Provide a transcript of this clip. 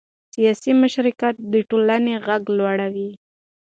سیاسي مشارکت د ټولنې غږ لوړوي